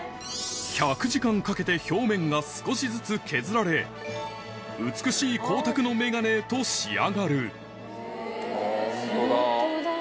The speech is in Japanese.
１００時間かけて表面が少しずつ削られ美しい光沢のメガネへと仕上がるホントだ。